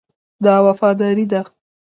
دا وفاداري ده.